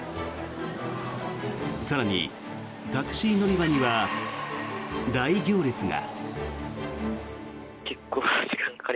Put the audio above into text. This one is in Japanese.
更に、タクシー乗り場には大行列が。